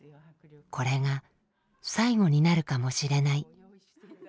「これが最後になるかもしれない」。